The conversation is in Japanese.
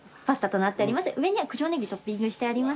上には九条ネギトッピングしてあります。